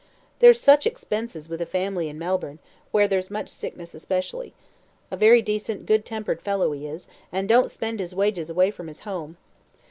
"There's such expenses with a family in Melbourne, where there's much sickness especially. A very decent, good tempered fellow he is, and don't spend his wages away from his home.